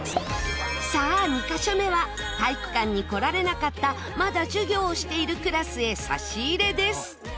さあ２カ所目は体育館に来られなかったまだ授業をしているクラスへ差し入れです。